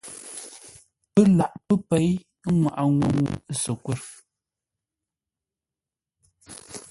Pə́ laghʼ pə́ pěi nŋwáʼa ŋuu səkwə̂r.